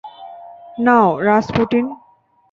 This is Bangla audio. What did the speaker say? নাও, রাসপুটিন!